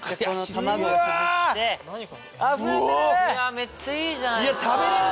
めっちゃいいじゃないですか。